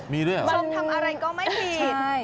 มันมาจากไหนมันทำอะไรก็ไม่ผิด